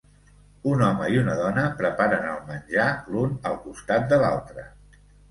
Un home i una dona preparen el menjar l'un al costat de l'altre.